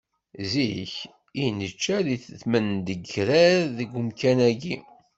Zik, i nečča deg tmendekrar deg umkan-agi!